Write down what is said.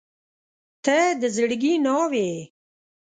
• ته د زړګي ناوې یې.